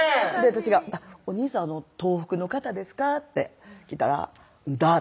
私が「お兄さん東北の方ですか？」って聞いたら「んだ」